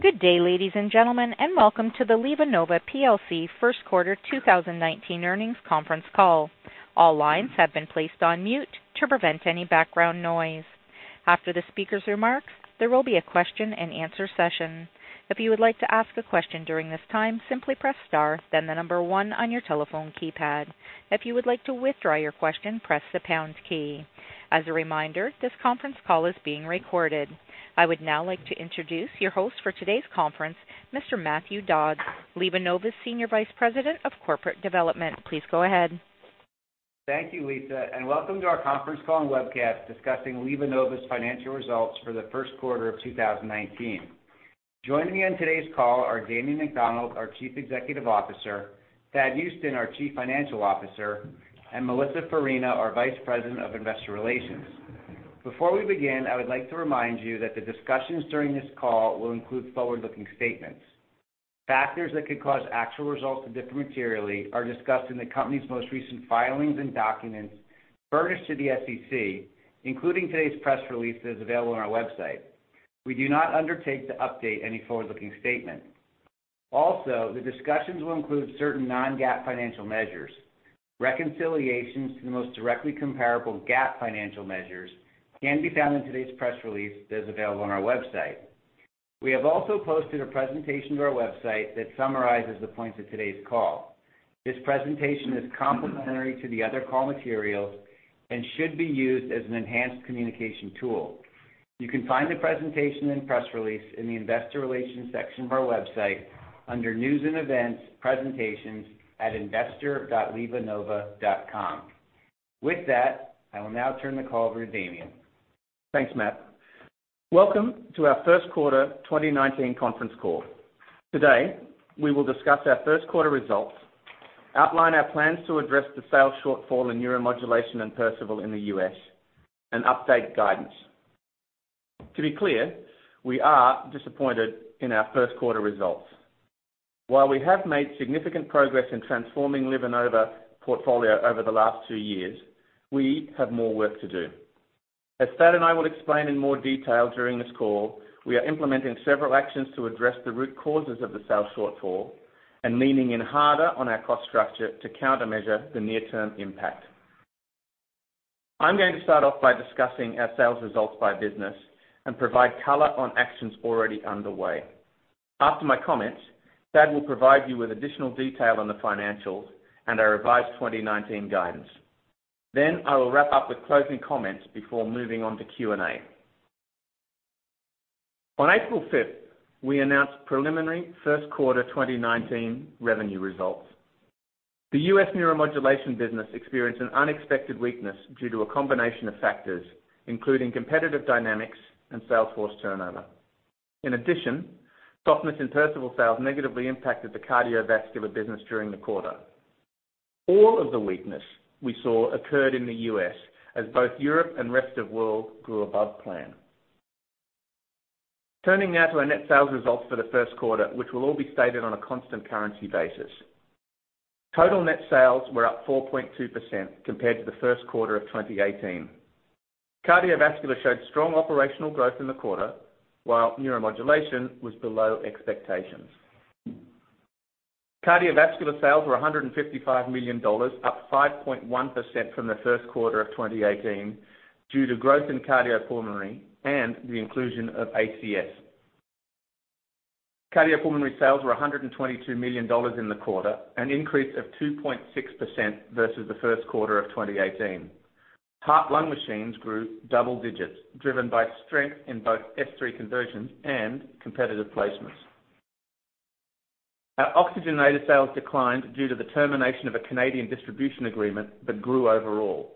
Good day, ladies and gentlemen. Welcome to the LivaNova PLC first quarter 2019 earnings conference call. All lines have been placed on mute to prevent any background noise. After the speaker's remarks, there will be a question and answer session. If you would like to ask a question during this time, simply press star, then the number 1 on your telephone keypad. If you would like to withdraw your question, press the pound key. As a reminder, this conference call is being recorded. I would now like to introduce your host for today's conference, Mr. Matthew Dodds, LivaNova's Senior Vice President of Corporate Development. Please go ahead. Thank you, Lisa. Welcome to our conference call and webcast discussing LivaNova's financial results for the first quarter of 2019. Joining me on today's call are Damien McDonald, our Chief Executive Officer, Thad Huston, our Chief Financial Officer, and Melissa Farina, our Vice President of Investor Relations. Before we begin, I would like to remind you that the discussions during this call will include forward-looking statements. Factors that could cause actual results to differ materially are discussed in the company's most recent filings and documents furnished to the SEC, including today's press release that is available on our website. We do not undertake to update any forward-looking statement. Also, the discussions will include certain non-GAAP financial measures. Reconciliations to the most directly comparable GAAP financial measures can be found in today's press release that is available on our website. We have also posted a presentation to our website that summarizes the points of today's call. This presentation is complementary to the other call materials and should be used as an enhanced communication tool. You can find the presentation and press release in the investor relations section of our website under news and events, presentations at investor.livanova.com. With that, I will now turn the call over to Damien. Thanks, Matt. Welcome to our first quarter 2019 conference call. Today, we will discuss our first quarter results, outline our plans to address the sales shortfall in Neuromodulation and Perceval in the U.S., and update guidance. To be clear, we are disappointed in our first quarter results. While we have made significant progress in transforming LivaNova portfolio over the last two years, we have more work to do. As Thad and I will explain in more detail during this call, we are implementing several actions to address the root causes of the sales shortfall and leaning in harder on our cost structure to countermeasure the near-term impact. I'm going to start off by discussing our sales results by business and provide color on actions already underway. After my comments, Thad will provide you with additional detail on the financials and our revised 2019 guidance. I will wrap up with closing comments before moving on to Q&A. On April 5th, we announced preliminary first quarter 2019 revenue results. The U.S. Neuromodulation business experienced an unexpected weakness due to a combination of factors, including competitive dynamics and sales force turnover. In addition, softness in Perceval sales negatively impacted the Cardiovascular business during the quarter. All of the weakness we saw occurred in the U.S. as both Europe and rest of world grew above plan. Turning now to our net sales results for the first quarter, which will all be stated on a constant currency basis. Total net sales were up 4.2% compared to the first quarter of 2018. Cardiovascular showed strong operational growth in the quarter, while Neuromodulation was below expectations. Cardiovascular sales were $155 million, up 5.1% from the first quarter of 2018 due to growth in cardiopulmonary and the inclusion of ACS. Cardiopulmonary sales were $122 million in the quarter, an increase of 2.6% versus the first quarter of 2018. Heart-lung machines grew double digits, driven by strength in both S3 conversions and competitive placements. Our oxygenator sales declined due to the termination of a Canadian distribution agreement but grew overall.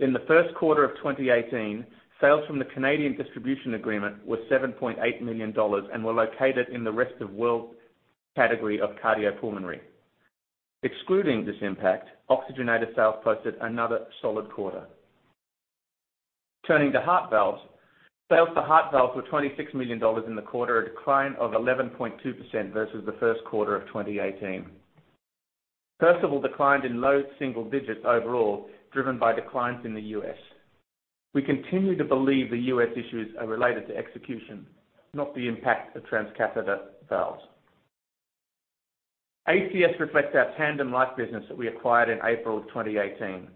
In the first quarter of 2018, sales from the Canadian distribution agreement were $7.8 million and were located in the rest of world category of cardiopulmonary. Excluding this impact, oxygenator sales posted another solid quarter. Turning to heart valves, sales for heart valves were $26 million in the quarter, a decline of 11.2% versus the first quarter of 2018. Perceval declined in low single digits overall, driven by declines in the U.S. We continue to believe the U.S. issues are related to execution, not the impact of transcatheter valves. ACS reflects our TandemLife business that we acquired in April of 2018.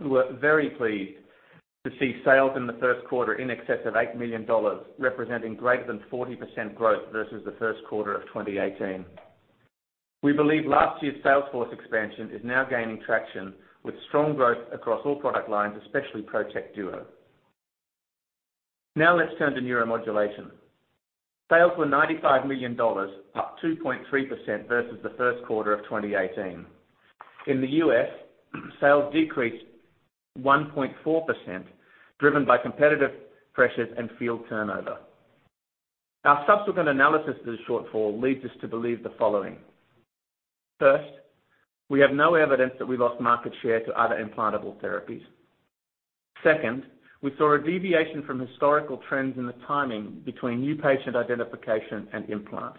We were very pleased to see sales in the first quarter in excess of $8 million, representing greater than 40% growth versus the first quarter of 2018. We believe last year's sales force expansion is now gaining traction with strong growth across all product lines, especially ProtekDuo. Now let's turn to Neuromodulation. Sales were $95 million, up 2.3% versus the first quarter of 2018. In the U.S., sales decreased 1.4%, driven by competitive pressures and field turnover. Our subsequent analysis of the shortfall leads us to believe the following. First, we have no evidence that we lost market share to other implantable therapies. Second, we saw a deviation from historical trends in the timing between new patient identification and implant.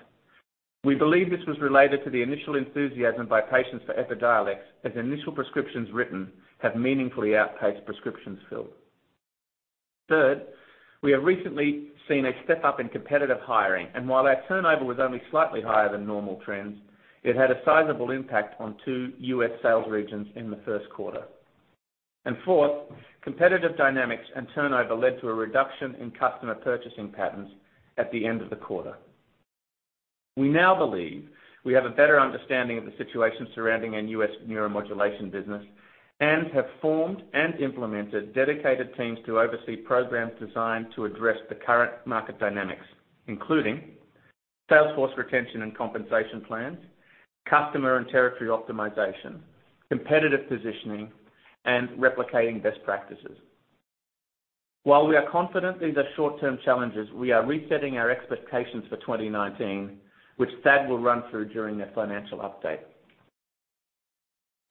We believe this was related to the initial enthusiasm by patients for EPIDIOLEX, as initial prescriptions written have meaningfully outpaced prescriptions filled. Third, we have recently seen a step-up in competitive hiring, and while our turnover was only slightly higher than normal trends, it had a sizable impact on two U.S. sales regions in the first quarter. Fourth, competitive dynamics and turnover led to a reduction in customer purchasing patterns at the end of the quarter. We now believe we have a better understanding of the situation surrounding our U.S. Neuromodulation business and have formed and implemented dedicated teams to oversee programs designed to address the current market dynamics, including sales force retention and compensation plans, customer and territory optimization, competitive positioning, and replicating best practices. While we are confident these are short-term challenges, we are resetting our expectations for 2019, which Thad will run through during the financial update.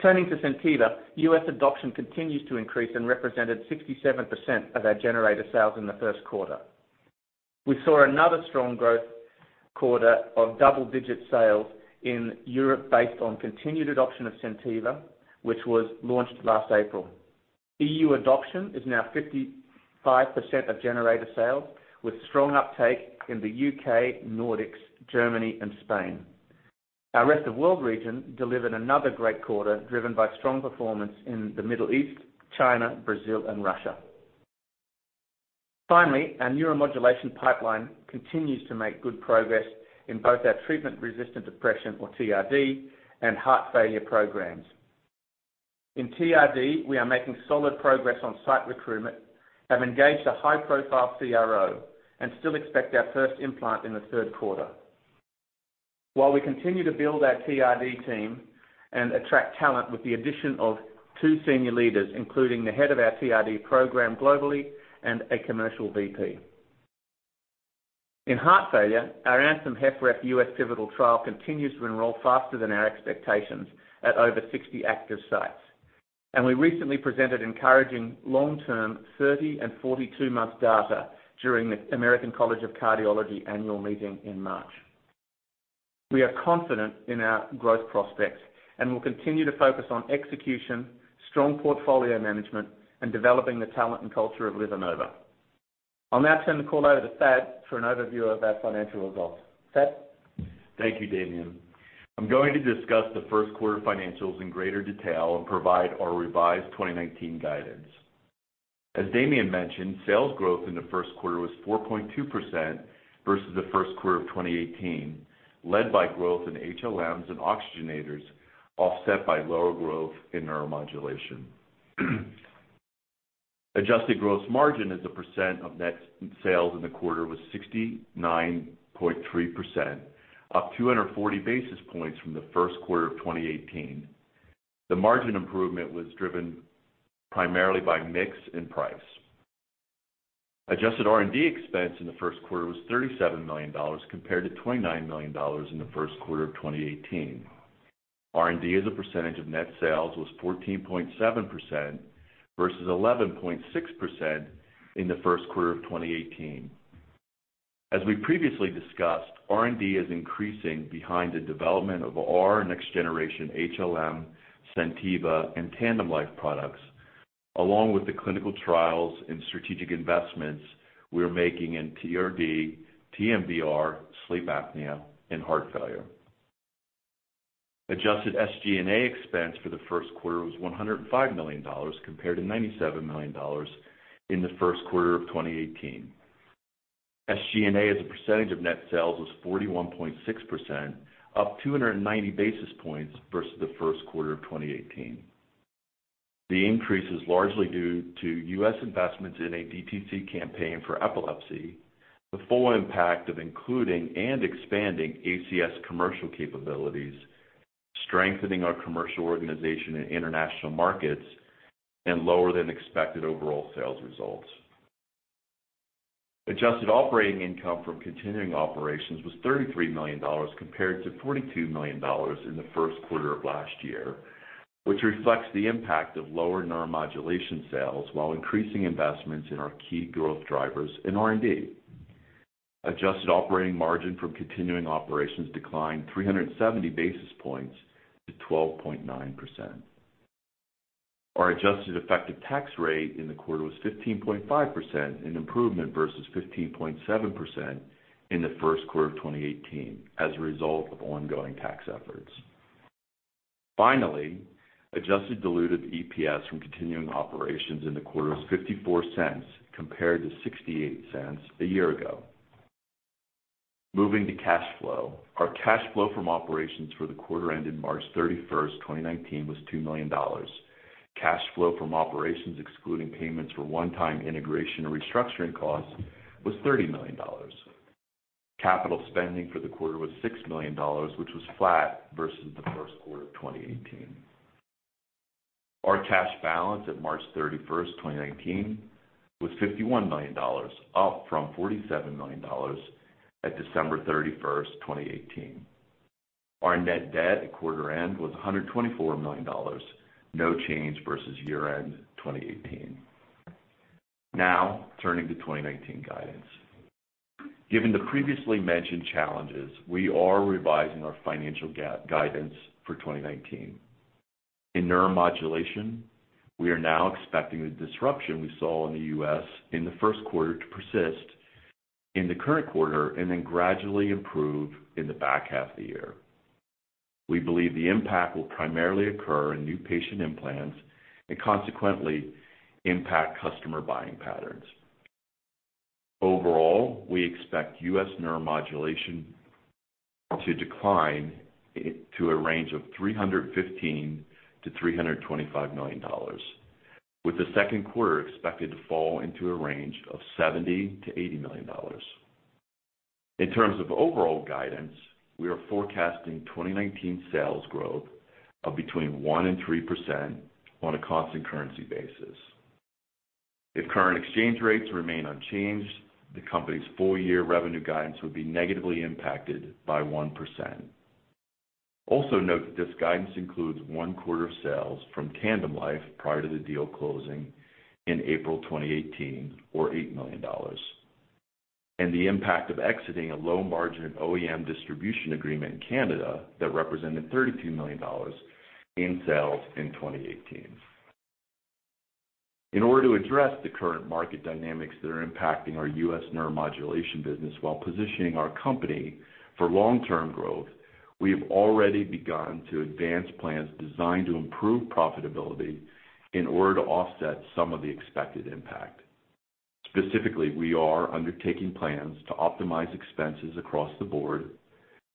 Turning to SenTiva, U.S. adoption continues to increase and represented 67% of our generator sales in the first quarter. We saw another strong growth quarter of double-digit sales in Europe based on continued adoption of SenTiva, which was launched last April. E.U. adoption is now 55% of generator sales, with strong uptake in the U.K., Nordics, Germany, and Spain. Our rest of world region delivered another great quarter, driven by strong performance in the Middle East, China, Brazil, and Russia. Finally, our neuromodulation pipeline continues to make good progress in both our treatment-resistant depression, or TRD, and heart failure programs. In TRD, we are making solid progress on site recruitment, have engaged a high-profile CRO, and still expect our first implant in the third quarter. While we continue to build our TRD team and attract talent with the addition of two senior leaders, including the head of our TRD program globally and a commercial VP. In heart failure, our ANTHEM-HFrEF U.S. pivotal trial continues to enroll faster than our expectations at over 60 active sites. We recently presented encouraging long-term 30 and 42-month data during the American College of Cardiology annual meeting in March. We are confident in our growth prospects and will continue to focus on execution, strong portfolio management, and developing the talent and culture at LivaNova. I'll now turn the call over to Thad for an overview of our financial results. Thad? Thank you, Damien. I'm going to discuss the first quarter financials in greater detail and provide our revised 2019 guidance. As Damien mentioned, sales growth in the first quarter was 4.2% versus the first quarter of 2018, led by growth in HLMs and oxygenators, offset by lower growth in neuromodulation. Adjusted gross margin as a percent of net sales in the quarter was 69.3%, up 240 basis points from the first quarter of 2018. The margin improvement was driven primarily by mix and price. Adjusted R&D expense in the first quarter was $37 million, compared to $29 million in the first quarter of 2018. R&D as a percentage of net sales was 14.7% versus 11.6% in the first quarter of 2018. As we previously discussed, R&D is increasing behind the development of our next-generation HLM, SenTiva, and TandemLife products, along with the clinical trials and strategic investments we're making in TRD, TMVR, sleep apnea, and heart failure. Adjusted SG&A expense for the first quarter was $105 million, compared to $97 million in the first quarter of 2018. SG&A as a percentage of net sales was 41.6%, up 290 basis points versus the first quarter of 2018. The increase is largely due to U.S. investments in a DTC campaign for epilepsy, the full impact of including and expanding ACS commercial capabilities, strengthening our commercial organization in international markets, and lower-than-expected overall sales results. Adjusted operating income from continuing operations was $33 million, compared to $42 million in the first quarter of last year, which reflects the impact of lower neuromodulation sales while increasing investments in our key growth drivers in R&D. Adjusted operating margin from continuing operations declined 370 basis points to 12.9%. Our adjusted effective tax rate in the quarter was 15.5%, an improvement versus 15.7% in the first quarter of 2018 as a result of ongoing tax efforts. Finally, adjusted diluted EPS from continuing operations in the quarter was $0.54 compared to $0.68 a year ago. Moving to cash flow. Our cash flow from operations for the quarter ended March 31st, 2019, was $2 million. Cash flow from operations excluding payments for one-time integration and restructuring costs was $30 million. Capital spending for the quarter was $6 million, which was flat versus the first quarter of 2018. Our cash balance at March 31st, 2019, was $51 million, up from $47 million at December 31st, 2018. Our net debt at quarter end was $124 million, no change versus year-end 2018. Turning to 2019 guidance. Given the previously mentioned challenges, we are revising our financial guidance for 2019. In neuromodulation, we are now expecting the disruption we saw in the U.S. in the first quarter to persist in the current quarter and then gradually improve in the back half of the year. We believe the impact will primarily occur in new patient implants and consequently impact customer buying patterns. Overall, we expect U.S. neuromodulation to decline to a range of $315 million-$325 million, with the second quarter expected to fall into a range of $70 million-$80 million. In terms of overall guidance, we are forecasting 2019 sales growth of between 1% and 3% on a constant currency basis. If current exchange rates remain unchanged, the company's full year revenue guidance would be negatively impacted by 1%. Note that this guidance includes one quarter of sales from TandemLife prior to the deal closing in April 2018, or $8 million. The impact of exiting a low margin OEM distribution agreement in Canada that represented $32 million in sales in 2018. In order to address the current market dynamics that are impacting our U.S. neuromodulation business while positioning our company for long-term growth, we have already begun to advance plans designed to improve profitability in order to offset some of the expected impact. Specifically, we are undertaking plans to optimize expenses across the board,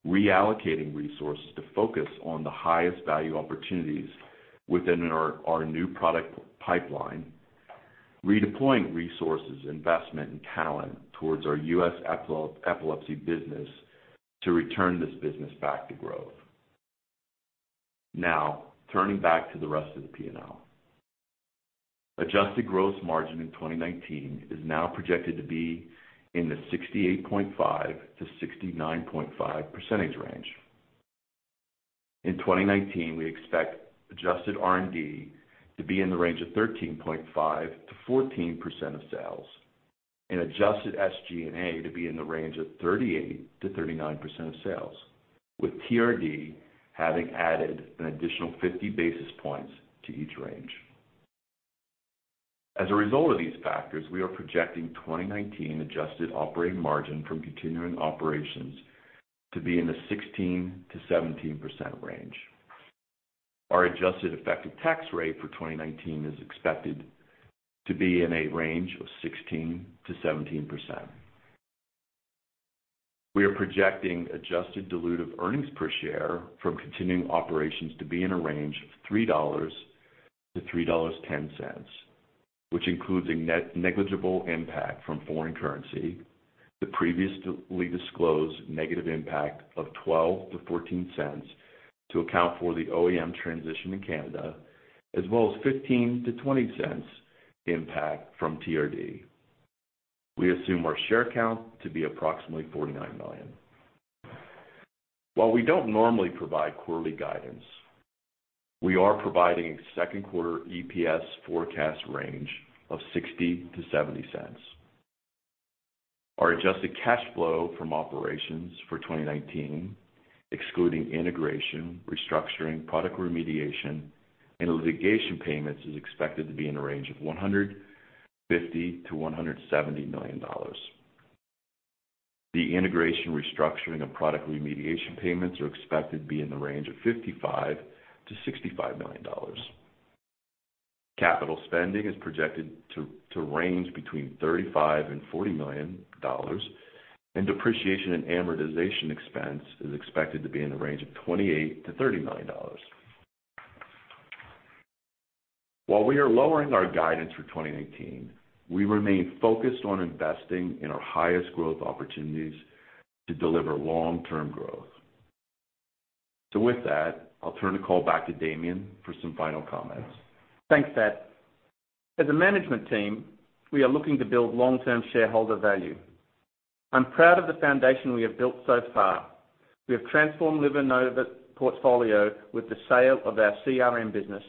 reallocating resources to focus on the highest value opportunities within our new product pipeline, redeploying resources, investment, and talent towards our U.S. epilepsy business to return this business back to growth. Turning back to the rest of the P&L. Adjusted gross margin in 2019 is now projected to be in the 68.5%-69.5% range. In 2019, we expect adjusted R&D to be in the range of 13.5%-14% of sales and adjusted SG&A to be in the range of 38%-39% of sales, with TRD having added an additional 50 basis points to each range. As a result of these factors, we are projecting 2019 adjusted operating margin from continuing operations to be in the 16%-17% range. Our adjusted effective tax rate for 2019 is expected to be in a range of 16%-17%. We are projecting adjusted dilutive earnings per share from continuing operations to be in a range of $3-$3.10, which includes a negligible impact from foreign currency, the previously disclosed negative impact of $0.12-$0.14 to account for the OEM transition in Canada, as well as $0.15-$0.20 impact from TRD. We assume our share count to be approximately 49 million. While we don't normally provide quarterly guidance, we are providing a second quarter EPS forecast range of $0.60-$0.70. Our adjusted cash flow from operations for 2019, excluding integration, restructuring, product remediation, and litigation payments, is expected to be in the range of $150 million-$170 million. The integration, restructuring, and product remediation payments are expected to be in the range of $55 million-$65 million. Capital spending is projected to range between $35 million and $40 million, and depreciation and amortization expense is expected to be in the range of $28 million-$30 million. While we are lowering our guidance for 2019, we remain focused on investing in our highest growth opportunities to deliver long-term growth. With that, I'll turn the call back to Damien for some final comments. Thanks, Thad. As a management team, we are looking to build long-term shareholder value. I'm proud of the foundation we have built so far. We have transformed LivaNova's portfolio with the sale of our CRM business,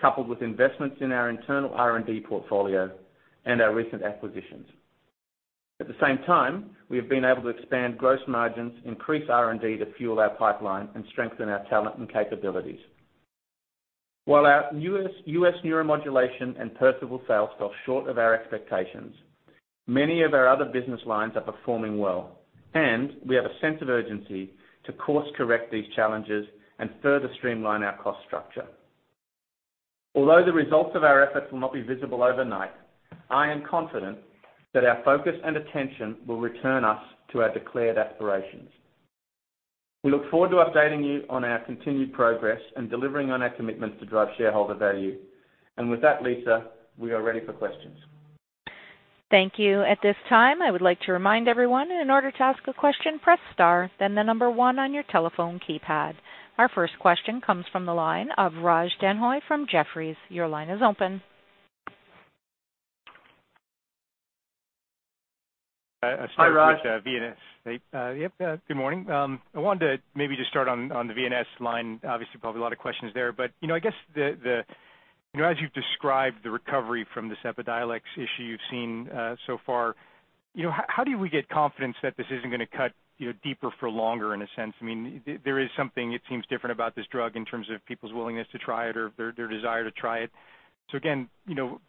coupled with investments in our internal R&D portfolio and our recent acquisitions. At the same time, we have been able to expand gross margins, increase R&D to fuel our pipeline, and strengthen our talent and capabilities. While our U.S. neuromodulation and Perceval sales fell short of our expectations, many of our other business lines are performing well, and we have a sense of urgency to course-correct these challenges and further streamline our cost structure. Although the results of our efforts will not be visible overnight, I am confident that our focus and attention will return us to our declared aspirations. We look forward to updating you on our continued progress and delivering on our commitments to drive shareholder value. With that, Lisa, we are ready for questions. Thank you. At this time, I would like to remind everyone that in order to ask a question, press star, then the number 1 on your telephone keypad. Our first question comes from the line of Raj Denhoy from Jefferies. Your line is open. Hi, Raj. Yep. Good morning. I wanted to maybe just start on the VNS line. Obviously, probably a lot of questions there. I guess, as you've described the recovery from this EPIDIOLEX issue you've seen so far, how do we get confidence that this isn't going to cut deeper for longer, in a sense? There is something, it seems different about this drug in terms of people's willingness to try it or their desire to try it. Again,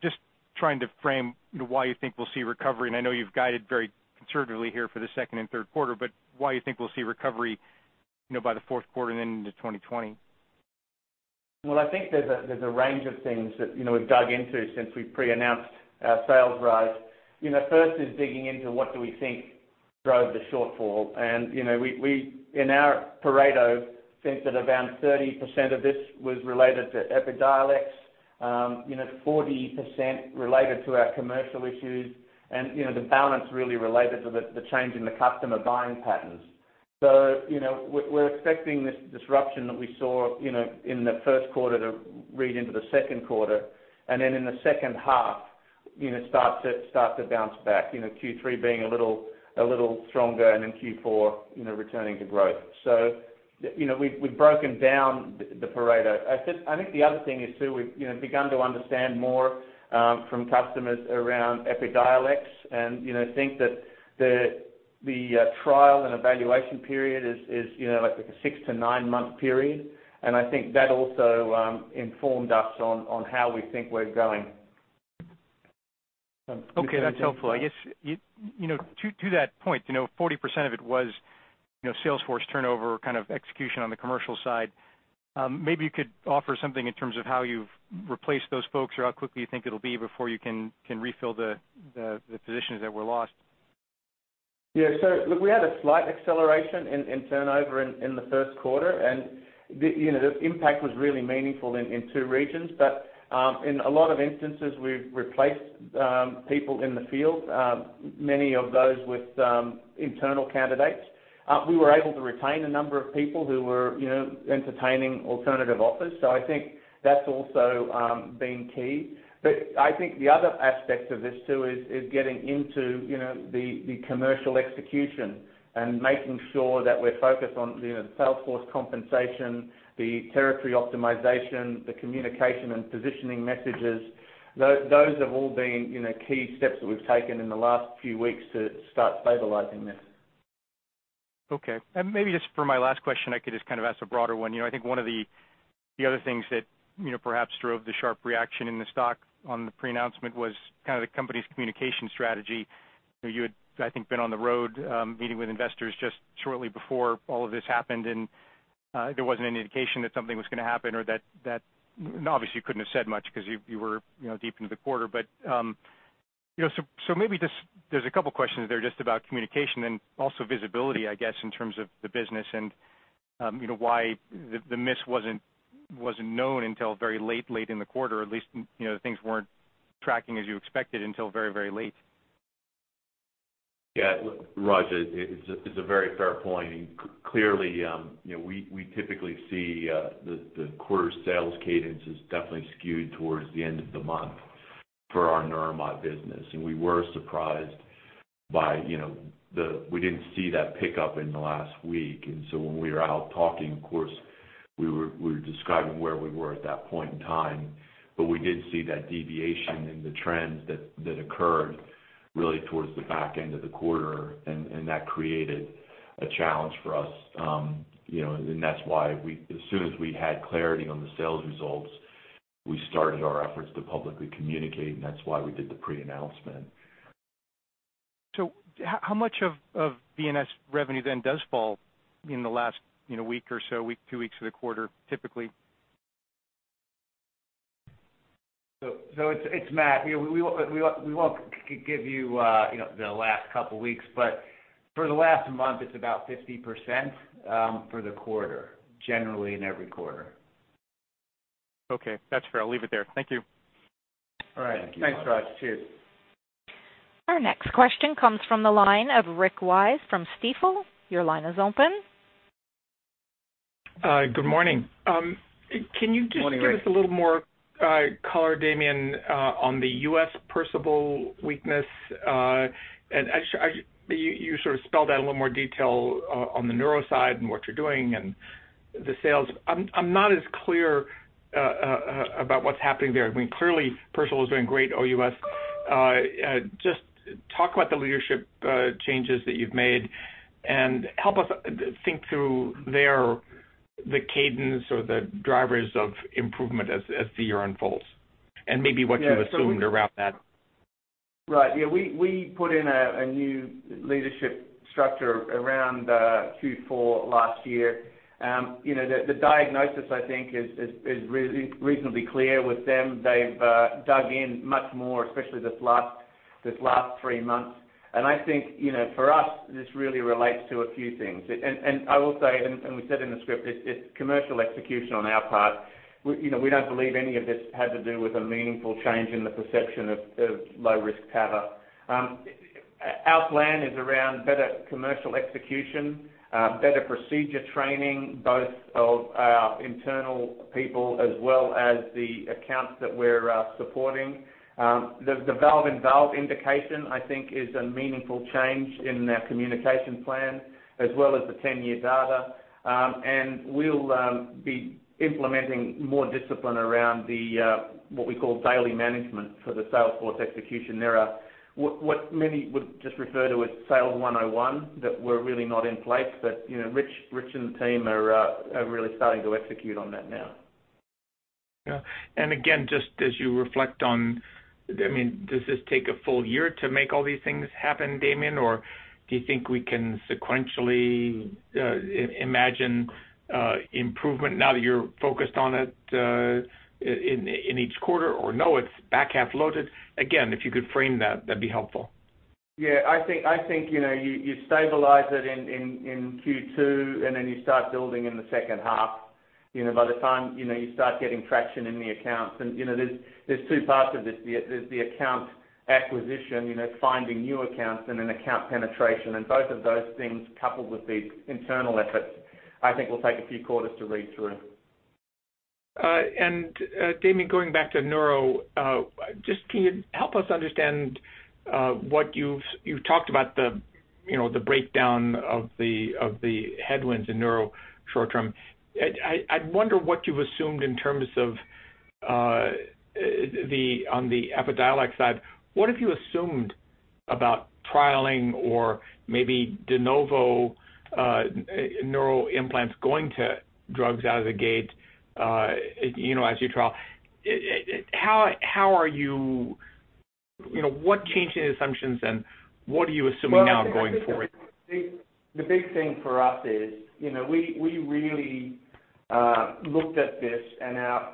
just trying to frame why you think we'll see recovery. I know you've guided very conservatively here for the second and third quarter, but why you think we'll see recovery by the fourth quarter and then into 2020? Well, I think there's a range of things that we've dug into since we've pre-announced our sales rise. First is digging into what do we think drove the shortfall. In our Pareto think that around 30% of this was related to EPIDIOLEX, 40% related to our commercial issues and the balance really related to the change in the customer buying patterns. We're expecting this disruption that we saw in the first quarter to read into the second quarter, then in the second half, start to bounce back, Q3 being a little stronger and then Q4 returning to growth. We've broken down the Pareto. I think the other thing is too, we've begun to understand more, from customers around EPIDIOLEX, and think that the trial and evaluation period is like a six to nine-month period. I think that also informed us on how we think we're going. Okay. That's helpful. I guess, to that point, 40% of it was Salesforce turnover, kind of execution on the commercial side. Maybe you could offer something in terms of how you've replaced those folks or how quickly you think it'll be before you can refill the positions that were lost. Yeah. Look, we had a slight acceleration in turnover in the first quarter, and the impact was really meaningful in two regions. In a lot of instances, we've replaced people in the field, many of those with internal candidates. We were able to retain a number of people who were entertaining alternative offers. I think that's also been key. I think the other aspect of this too is getting into the commercial execution and making sure that we're focused on Salesforce compensation, the territory optimization, the communication and positioning messages. Those have all been key steps that we've taken in the last few weeks to start stabilizing this. Okay. Maybe just for my last question, I could just kind of ask a broader one. I think one of the other things that perhaps drove the sharp reaction in the stock on the pre-announcement was kind of the company's communication strategy. You had, I think, been on the road, meeting with investors just shortly before all of this happened, and there wasn't any indication that something was going to happen. Obviously, you couldn't have said much because you were deep into the quarter. Maybe just, there's a couple questions there just about communication and also visibility, I guess, in terms of the business and why the miss wasn't known until very late in the quarter. At least, things weren't tracking as you expected until very late. Look, Raj, it's a very fair point, clearly, we typically see the quarter sales cadence is definitely skewed towards the end of the month for our Neuromod business. We didn't see that pickup in the last week. When we were out talking, of course, we were describing where we were at that point in time. We did see that deviation in the trends that occurred really towards the back end of the quarter, and that created a challenge for us. That's why as soon as we had clarity on the sales results, we started our efforts to publicly communicate, and that's why we did the pre-announcement. How much of VNS revenue then does fall in the last week or so, two weeks of the quarter, typically? It's Matt. We won't give you the last couple of weeks, for the last month, it's about 50% for the quarter, generally in every quarter. That's fair. I'll leave it there. Thank you. Thank you, Raj. All right. Thanks, Raj. Cheers. Our next question comes from the line of Rick Wise from Stifel. Your line is open. Good morning. Morning, Rick. Can you just give us a little more color, Damien, on the U.S. Perceval weakness? You sort of spelled out a little more detail on the neuro side and what you're doing and the sales. I am not as clear about what is happening there. Clearly Perceval is doing great OUS. Just talk about the leadership changes that you have made and help us think through there, the cadence or the drivers of improvement as the year unfolds, and maybe what you have assumed around that. Right. Yeah, we put in a new leadership structure around Q4 last year. The diagnosis, I think, is reasonably clear with them. They have dug in much more, especially this last three months. I think, for us, this really relates to a few things. I will say, and we said in the script, it is commercial execution on our part. We do not believe any of this had to do with a meaningful change in the perception of low risk. Our plan is around better commercial execution, better procedure training, both of our internal people as well as the accounts that we are supporting. The valve-in-valve indication, I think is a meaningful change in our communication plan, as well as the 10-year data. We will be implementing more discipline around the, what we call daily management for the sales force execution. There are what many would just refer to as Sales 101 that were really not in place. Rick and the team are really starting to execute on that now. Yeah. Again, just as you reflect on, does this take a full year to make all these things happen, Damien? Or do you think we can sequentially imagine improvement now that you're focused on it in each quarter? Or no, it's back-half loaded? Again, if you could frame that'd be helpful. Yeah. I think you stabilize it in Q2, then you start building in the second half. By the time you start getting traction in the accounts. There's two parts of this. There's the account acquisition, finding new accounts and then account penetration. Both of those things, coupled with the internal efforts, I think will take a few quarters to read through. Damien, going back to neuro, just can you help us understand what you've talked about, the breakdown of the headwinds in neuro short-term. I wonder what you've assumed in terms of on the EPIDIOLEX side. What have you assumed about trialing or maybe de novo neural implants going to drugs out of the gate as you trial? What change in assumptions and what are you assuming now going forward? Well, I think the big thing for us is, we really looked at this, our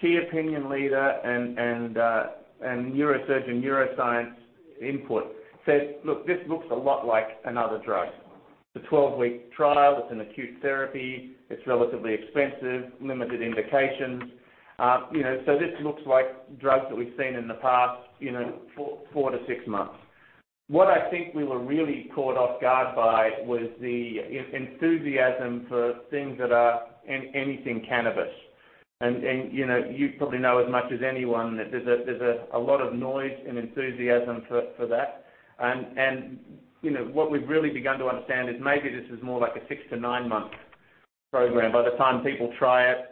key opinion leader and neurosurgeon neuroscience input said, "Look, this looks a lot like another drug." It's a 12-week trial. It's an acute therapy. It's relatively expensive, limited indications. This looks like drugs that we've seen in the past 4-6 months. What I think we were really caught off guard by was the enthusiasm for things that are anything cannabis. You probably know as much as anyone that there's a lot of noise and enthusiasm for that. What we've really begun to understand is maybe this is more like a 6-9 month program. By the time people try it,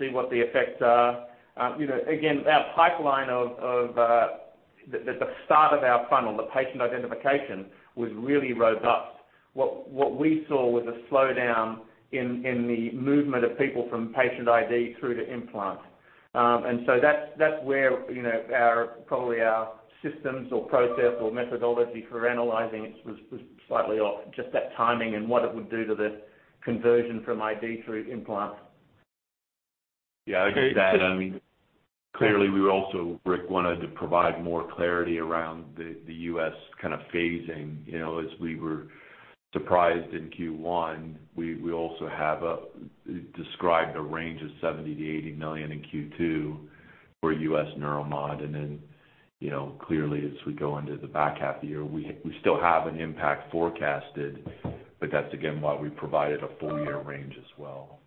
see what the effects are. Again, our pipeline of the start of our funnel, the patient identification, was really robust. What we saw was a slowdown in the movement of people from patient ID through to implant. That's where probably our systems or process or methodology for analyzing it was slightly off. Just that timing and what it would do to the conversion from ID through implant. Yeah. I guess that, clearly we also, Rick, wanted to provide more clarity around the U.S. kind of phasing. As we were surprised in Q1, we also have described a range of $70 million-$80 million in Q2 for U.S. Neuromod. Then clearly as we go into the back half of the year, we still have an impact forecasted, that's again why we provided a full-year range as well.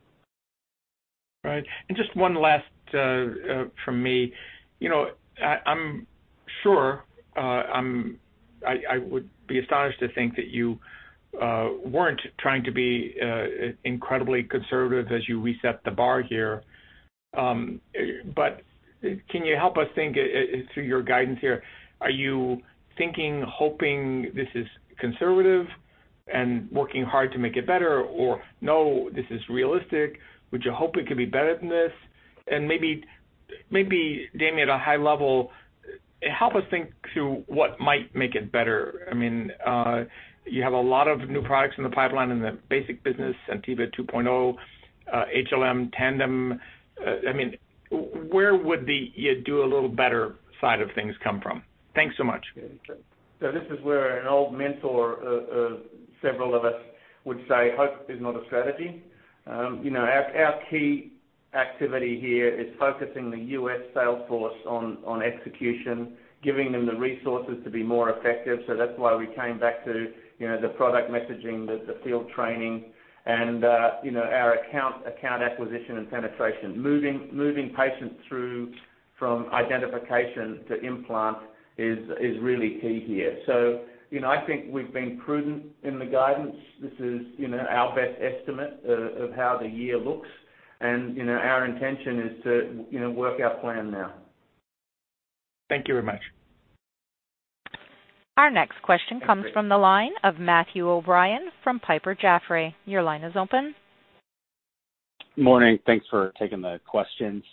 Right. Just one last from me. I'm sure I would be astonished to think that you weren't trying to be incredibly conservative as you reset the bar here. Can you help us think through your guidance here? Are you thinking, hoping this is conservative and working hard to make it better? Or no, this is realistic? Would you hope it could be better than this? Maybe, Damien, at a high level, help us think through what might make it better. You have a lot of new products in the pipeline in the basic business, SenTiva 2.0, HLM, Tandem. Where would the you do a little better side of things come from? Thanks so much. Yeah. Sure. This is where an old mentor of several of us would say hope is not a strategy. Our key activity here is focusing the U.S. sales force on execution, giving them the resources to be more effective. That's why we came back to the product messaging, the field training, and our account acquisition and penetration. Moving patients through from identification to implant is really key here. I think we've been prudent in the guidance. This is our best estimate of how the year looks. Our intention is to work our plan now. Thank you very much. Our next question comes from the line of Matthew O'Brien from Piper Jaffray. Your line is open. Morning. Thanks for taking the question.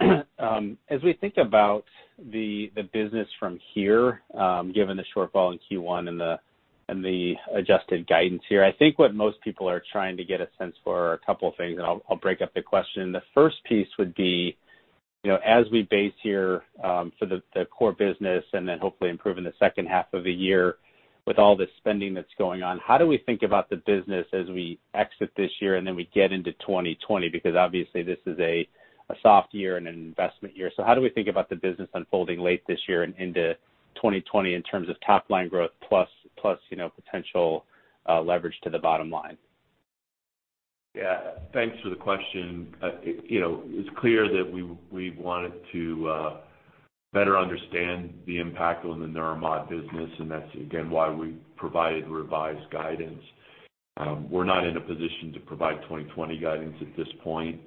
As we think about the business from here, given the shortfall in Q1 and the adjusted guidance here, I think what most people are trying to get a sense for are a couple of things, and I'll break up the question. The first piece would be, as we base here for the core business and then hopefully improve in the second half of the year with all the spending that's going on, how do we think about the business as we exit this year and then we get into 2020? Because obviously this is a soft year and an investment year. How do we think about the business unfolding late this year and into 2020 in terms of top-line growth plus potential leverage to the bottom line? Yeah. Thanks for the question. It's clear that we wanted to better understand the impact on the Neuromod business, that's again, why we provided revised guidance. We're not in a position to provide 2020 guidance at this point.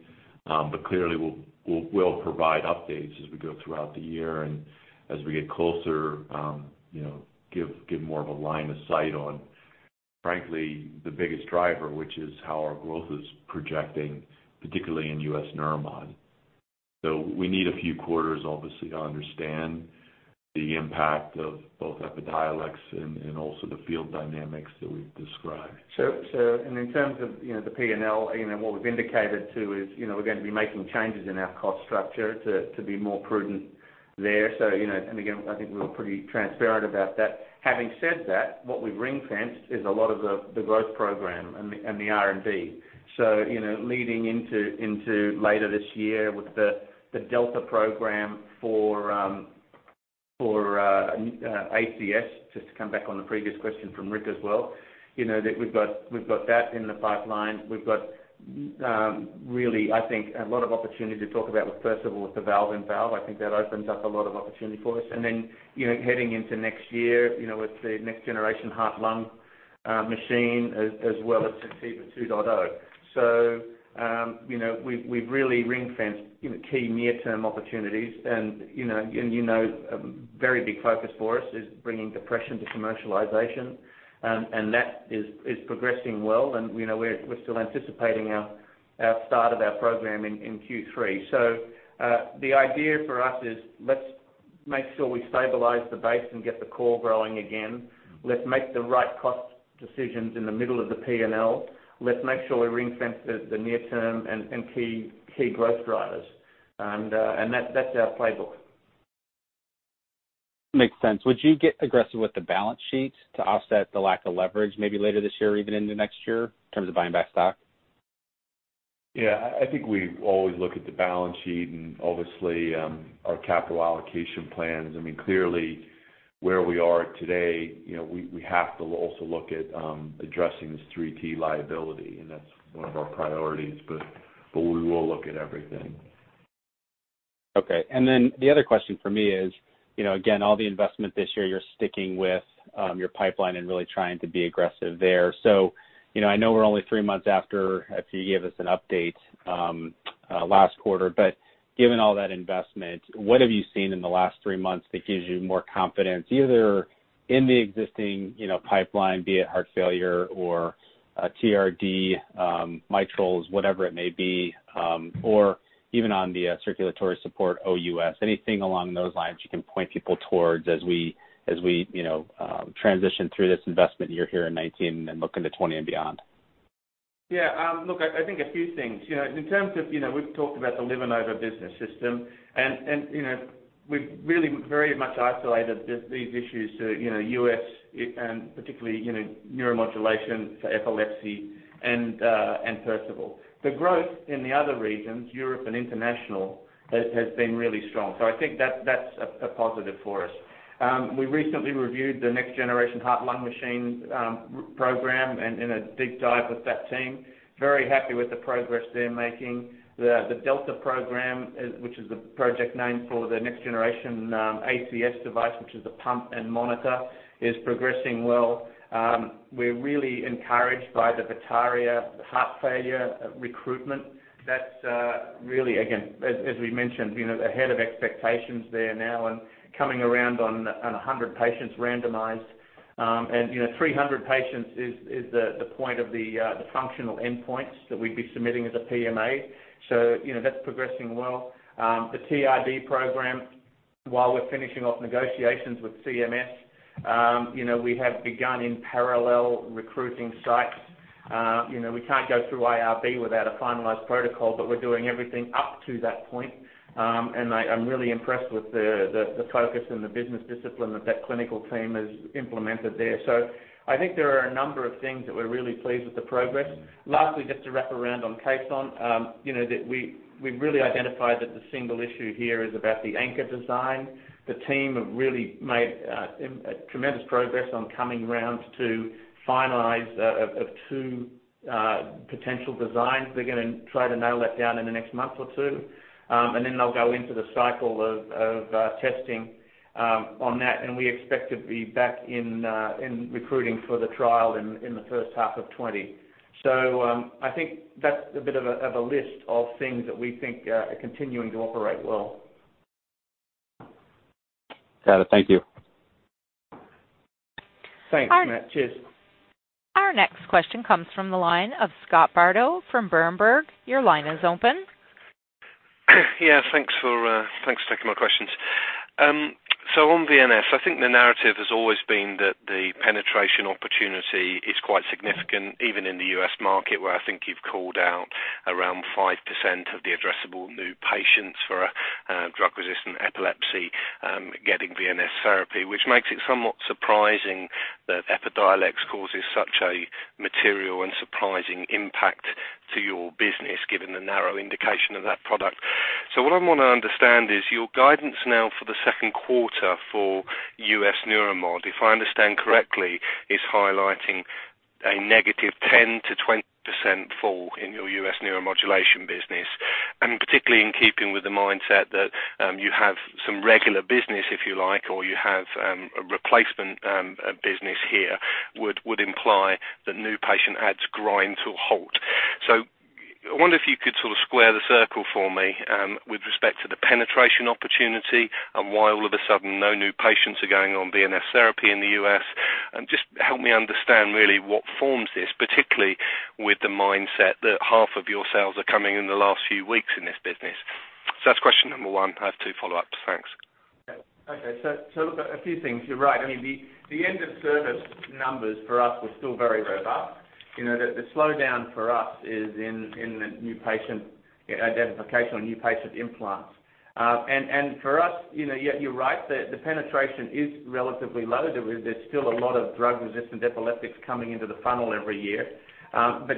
Clearly, we'll provide updates as we go throughout the year and as we get closer, give more of a line of sight on, frankly, the biggest driver, which is how our growth is projecting, particularly in U.S. Neuromod. We need a few quarters, obviously, to understand the impact of both EPIDIOLEX and also the field dynamics that we've described. In terms of the P&L, what we've indicated too is we're going to be making changes in our cost structure to be more prudent there. Again, I think we were pretty transparent about that. Having said that, what we've ring-fenced is a lot of the growth program and the R&D. Leading into later this year with the Delta program for ACS, just to come back on the previous question from Rick as well, that we've got that in the pipeline. We've got really, I think, a lot of opportunity to talk about with Perceval, with the valve-in-valve. I think that opens up a lot of opportunity for us. Then, heading into next year, with the next generation heart-lung machine, as well as SenTiva 2.0. We've really ring-fenced key near-term opportunities and you know a very big focus for us is bringing depression to commercialization. That is progressing well. We're still anticipating our start of our program in Q3. The idea for us is let's make sure we stabilize the base and get the core growing again. Let's make the right cost decisions in the middle of the P&L. Let's make sure we ring-fence the near term and key growth drivers. That's our playbook. Makes sense. Would you get aggressive with the balance sheet to offset the lack of leverage maybe later this year or even into next year in terms of buying back stock? I think we always look at the balance sheet and obviously, our capital allocation plans. Clearly where we are today, we have to also look at addressing this 3T liability, that's one of our priorities. We will look at everything. Okay. The other question for me is, again, all the investment this year, you're sticking with your pipeline and really trying to be aggressive there. I know we're only three months after you gave us an update last quarter, but given all that investment, what have you seen in the last three months that gives you more confidence, either in the existing pipeline, be it heart failure or TRD, mitral, whatever it may be, or even on the circulatory support OUS. Anything along those lines you can point people towards as we transition through this investment year here in 2019 and look into 2020 and beyond? Yeah. Look, I think a few things. In terms of we've talked about the LivaNova business system and we've really very much isolated these issues to U.S. and particularly Neuromodulation for epilepsy and Perceval. The growth in the other regions, Europe and international, has been really strong. I think that's a positive for us. We recently reviewed the next generation heart-lung machine program and a deep dive with that team. Very happy with the progress they're making. The Delta program, which is the project name for the next generation ACS device, which is the pump and monitor, is progressing well. We're really encouraged by the VITARIA heart failure recruitment. That's really, again, as we mentioned, ahead of expectations there now and coming around on 100 patients randomized. And 300 patients is the point of the functional endpoints that we'd be submitting as a PMA. That's progressing well. The TRD program, while we're finishing off negotiations with CMS, we have begun in parallel recruiting sites. We can't go through IRB without a finalized protocol, but we're doing everything up to that point. I'm really impressed with the focus and the business discipline that that clinical team has implemented there. I think there are a number of things that we're really pleased with the progress. Lastly, just to wrap around on Caisson, that we've really identified that the single issue here is about the anchor design. The team have really made tremendous progress on coming around to finalize two potential designs. They're going to try to nail that down in the next month or two. They'll go into the cycle of testing on that, and we expect to be back in recruiting for the trial in the first half of 2020. I think that's a bit of a list of things that we think are continuing to operate well. Got it. Thank you. Thanks, Matt. Cheers. Our next question comes from the line of Scott Bardo from Berenberg. Your line is open. Thanks for taking my questions. On VNS, I think the narrative has always been that the penetration opportunity is quite significant, even in the U.S. market, where I think you've called out around 5% of the addressable new patients for drug-resistant epilepsy getting VNS Therapy, which makes it somewhat surprising that EPIDIOLEX causes such a material and surprising impact to your business given the narrow indication of that product. What I want to understand is your guidance now for the second quarter for U.S. Neuromod, if I understand correctly, is highlighting a negative 10%-20% fall in your U.S. neuromodulation business, and particularly in keeping with the mindset that you have some regular business, if you like, or you have a replacement business here would imply that new patient adds grind to a halt. I wonder if you could sort of square the circle for me with respect to the penetration opportunity and why all of a sudden no new patients are going on VNS Therapy in the U.S. Just help me understand really what forms this, particularly with the mindset that half of your sales are coming in the last few weeks in this business. That's question one. I have two follow-ups. Thanks. Okay. Look, a few things. You're right. The end of service numbers for us were still very robust. The slowdown for us is in the new patient identification or new patient implants. For us, you're right, the penetration is relatively low. There's still a lot of drug-resistant epileptics coming into the funnel every year.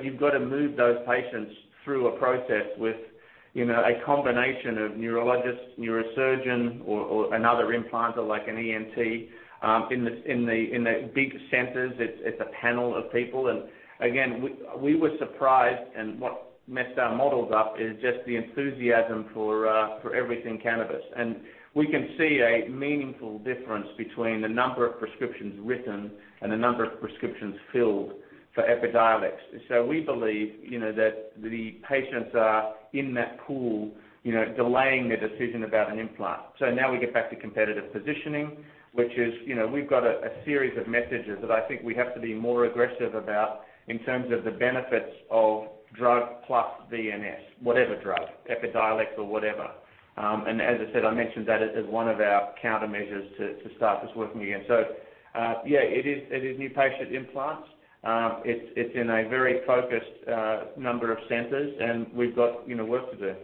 You've got to move those patients through a process with a combination of neurologist, neurosurgeon, or another implanter like an ENT. In the big centers, it's a panel of people. Again, we were surprised, and what messed our models up is just the enthusiasm for everything cannabis. We can see a meaningful difference between the number of prescriptions written and the number of prescriptions filled for EPIDIOLEX. We believe that the patients are in that pool, delaying their decision about an implant. Now we get back to competitive positioning, which is, we've got a series of messages that I think we have to be more aggressive about in terms of the benefits of drug plus VNS, whatever drug, EPIDIOLEX or whatever. As I said, I mentioned that as one of our countermeasures to start this working again. Yeah, it is new patient implants. It's in a very focused number of centers, and we've got work to do.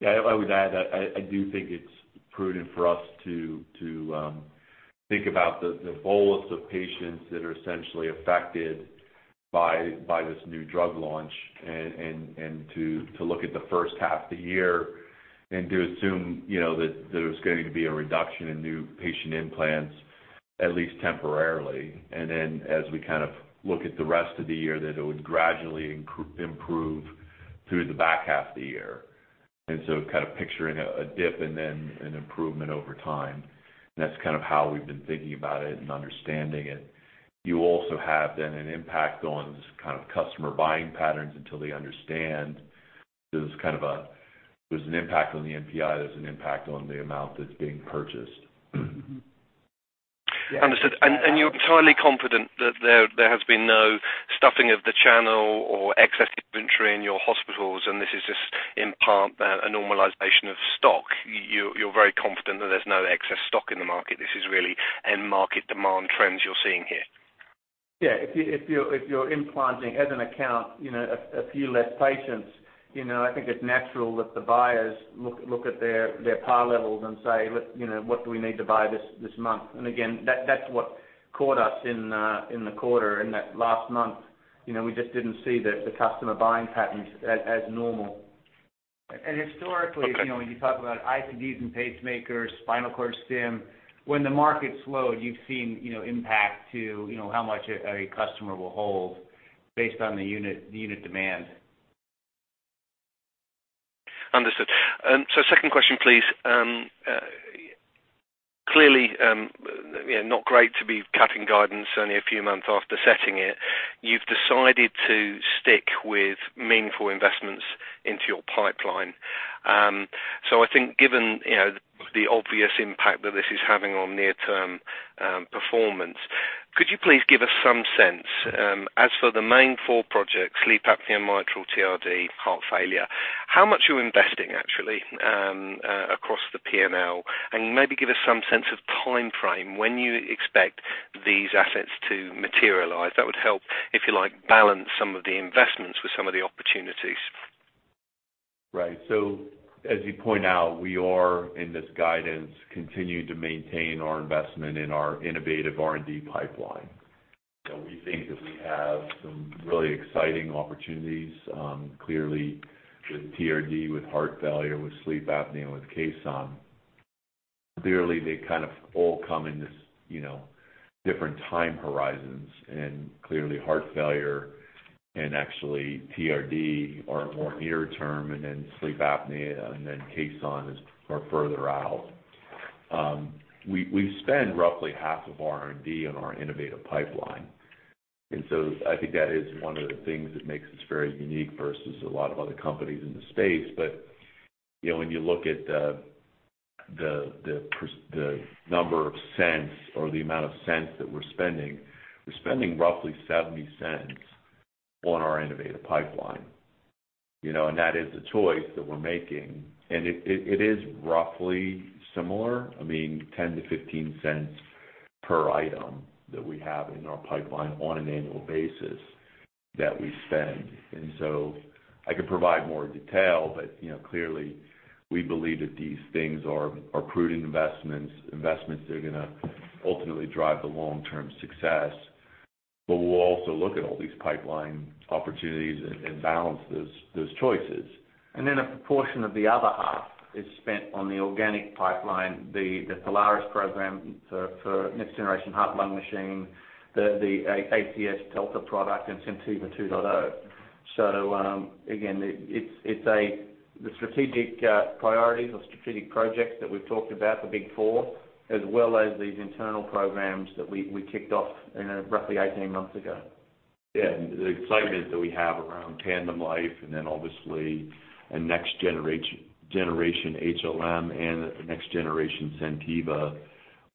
Yeah, I would add, I do think it's prudent for us to think about the bolus of patients that are essentially affected by this new drug launch and to look at the first half of the year and to assume that there's going to be a reduction in new patient implants, at least temporarily. Then as we look at the rest of the year, that it would gradually improve through the back half of the year. Picturing a dip and then an improvement over time. That's how we've been thinking about it and understanding it. You also have then an impact on this kind of customer buying patterns until they understand there was an impact on the NPI, there's an impact on the amount that's being purchased. Understood. You're entirely confident that there has been no stuffing of the channel or excess inventory in your hospitals, and this is just in part a normalization of stock. You're very confident that there's no excess stock in the market. This is really end market demand trends you're seeing here. Yeah. If you're implanting as an account a few less patients, I think it's natural that the buyers look at their par levels and say, "Look, what do we need to buy this month?" Again, that's what caught us in the quarter, in that last month. We just didn't see the customer buying patterns as normal. Historically, when you talk about ICDs and pacemakers, spinal cord stim, when the market slowed, you've seen impact to how much a customer will hold based on the unit demand. Understood. Second question, please. Clearly, not great to be cutting guidance only a few months after setting it. You've decided to stick with meaningful investments into your pipeline. I think given the obvious impact that this is having on near-term performance, could you please give us some sense as for the main four projects, sleep apnea, mitral TRD, heart failure, how much you're investing actually across the P&L? Maybe give us some sense of time frame when you expect these assets to materialize. That would help, if you like, balance some of the investments with some of the opportunities. Right. As you point out, we are in this guidance, continue to maintain our investment in our innovative R&D pipeline. We think that we have some really exciting opportunities, clearly with TRD, with heart failure, with sleep apnea, with Caisson. Clearly, they kind of all come in this different time horizons, and clearly heart failure and actually TRD are more near term and then sleep apnea and then Caisson is are further out. We spend roughly half of R&D on our innovative pipeline. I think that is one of the things that makes us very unique versus a lot of other companies in the space. When you look at the number of cents or the amount of cents that we're spending, we're spending roughly $0.70 on our innovative pipeline. That is the choice that we're making, and it is roughly similar. I mean, $0.10-$0.15 per item that we have in our pipeline on an annual basis that we spend. I could provide more detail, but clearly we believe that these things are prudent investments. Investments that are going to ultimately drive the long-term success. We'll also look at all these pipeline opportunities and balance those choices. A portion of the other half is spent on the organic pipeline, the Polaris Program for next generation heart-lung machine, the ACS Delta product, and SenTiva 2.0. Again, the strategic priorities or strategic projects that we've talked about, the big four, as well as these internal programs that we kicked off roughly 18 months ago. Yeah. The excitement that we have around TandemLife, obviously a next generation HLM and next generation SenTiva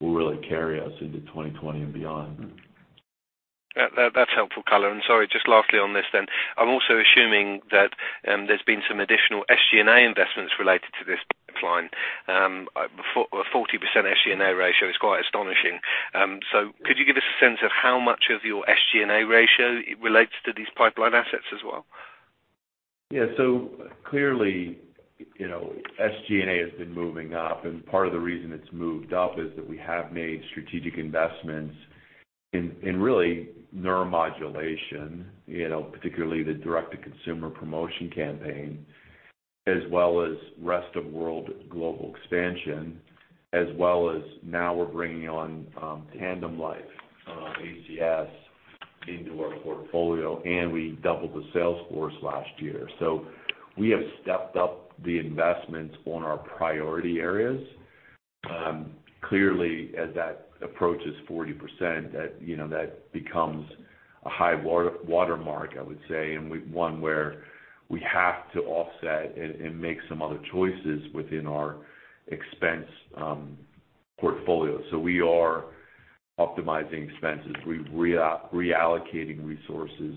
will really carry us into 2020 and beyond. That's helpful color. Sorry, just lastly on this then. I'm also assuming that there's been some additional SG&A investments related to this decline. A 40% SG&A ratio is quite astonishing. Could you give us a sense of how much of your SG&A ratio relates to these pipeline assets as well? Yeah. Clearly, SG&A has been moving up and part of the reason it's moved up is that we have made strategic investments in really neuromodulation, particularly the direct-to-consumer promotion campaign, as well as rest of world global expansion, as well as now we're bringing on TandemLife ACS into our portfolio, and we doubled the sales force last year. We have stepped up the investments on our priority areas. Clearly, as that approaches 40%, that becomes a high water mark, I would say, and one where we have to offset and make some other choices within our expense portfolio. We are optimizing expenses. We're reallocating resources,